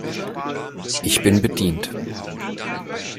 Ich bin bedient.